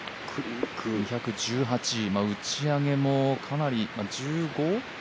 ２１８、打ち上げもかなり１５？